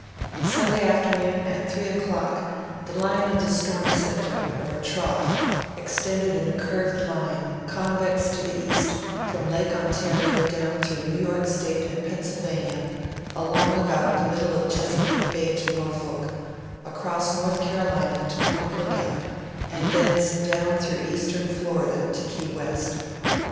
Sunday afternoon, at 3 o'clock, the line of the storm center, or trough, extended in a curved line, convex to the east, from Lake Ontario down through New York State and Pennsylvania, along about the middle of Chesapeake Bay to Norfolk, across North Carolina to Point Lookout, and thence down through eastern Florida to Key West.